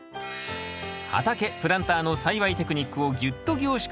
畑プランターの栽培テクニックをぎゅっと凝縮した保存版。